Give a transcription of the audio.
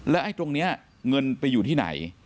แล้วไอ้ตรงนี้เงินไปอยู่ที่ไหน